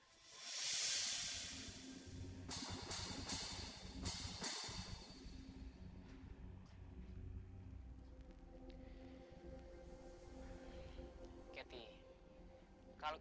aku masih ingat pak